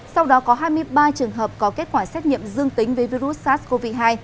sau đó có hai mươi ba trường hợp có kết quả xét nghiệm dương tính với virus sars cov hai